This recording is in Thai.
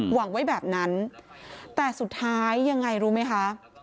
หวังไว้แบบนั้นแต่สุดท้ายยังไงรู้ไหมคะ